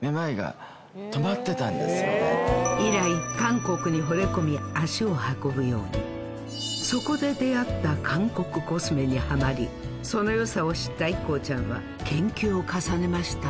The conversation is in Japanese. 以来韓国にほれ込み足を運ぶようにそこで出会った韓国コスメにハマりその良さを知ったＩＫＫＯちゃんは研究を重ねました